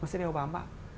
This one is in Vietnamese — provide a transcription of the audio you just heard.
nó sẽ đeo bám vào